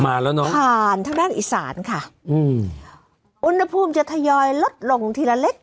มาแล้วเนอะผ่านทางด้านอีสานค่ะอืมอุณหภูมิจะทยอยลดลงทีละเล็ก